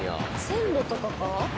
線路とかか？